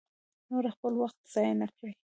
نور خپل وخت ضایع نه کړي.